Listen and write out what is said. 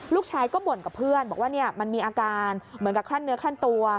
ลูกชายก็บ่นกับเพื่อนบอกว่ามันมีอาการเหมือนกับคลั่นเนื้อคลั่นตัว